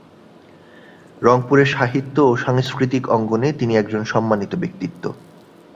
রংপুরের সাহিত্য ও সাংস্কৃতিক অঙ্গনে তিনি একজন সম্মানিত ব্যক্তিত্ব।